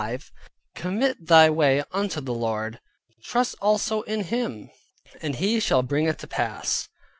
5: "Commit thy way unto the Lord; trust also in him; and he shall bring it to pass."